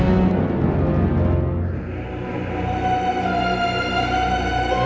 di rumah l year a